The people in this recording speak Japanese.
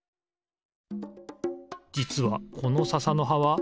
じつはこのささのはは